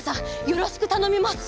よろしくたのみます！